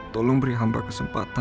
tolong beri hamba kesempatan